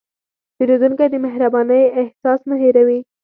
پیرودونکی د مهربانۍ احساس نه هېروي.